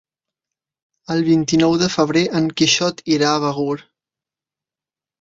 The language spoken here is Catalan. El vint-i-nou de febrer en Quixot irà a Begur.